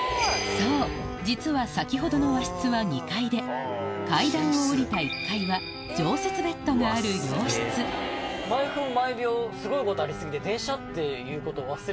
そう実は先ほどの和室は２階で階段を下りた１階は常設ベッドがある洋室こちらは。